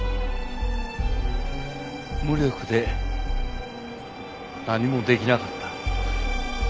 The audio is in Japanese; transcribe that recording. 無力で何も出来なかった。